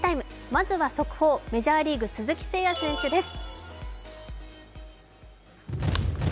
まずは速報、メジャーリーグ鈴木誠也選手です。